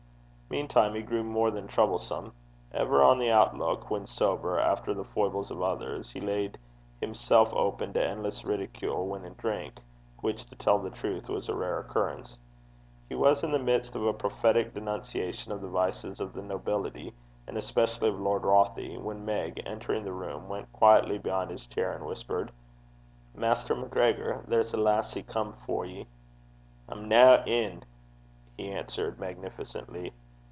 Meantime he grew more than troublesome. Ever on the outlook, when sober, after the foibles of others, he laid himself open to endless ridicule when in drink, which, to tell the truth, was a rare occurrence. He was in the midst of a prophetic denunciation of the vices of the nobility, and especially of Lord Rothie, when Meg, entering the room, went quietly behind his chair and whispered: 'Maister MacGregor, there's a lassie come for ye.' 'I'm nae in,' he answered, magnificently.